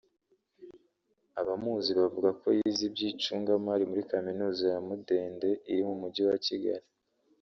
Abamuzi bavuga ko yize iby’icungamari muri Kaminuza y’i Mudende iri mu mujyi wa Kigali